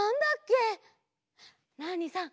ナーニさん